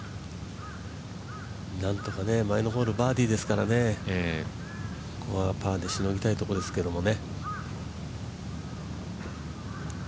なんとか前のホールバーディーですからここはパーでしのぎたいところですけどね。